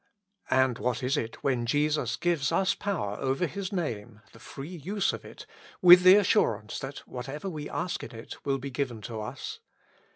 And what is it when Jesus gives us power over His Name, the free use of it, with the assurance that whatever we ask in it will be given to us